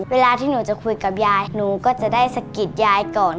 เวลาที่หนูจะคุยกับยายหนูก็จะได้สะกิดยายก่อน